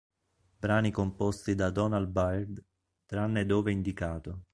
Brani composti da Donald Byrd, tranne dove indicato